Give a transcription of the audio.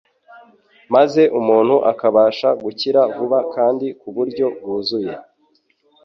maze umuntu akabasha gukira vuba kandi ku buryo bwuzuye.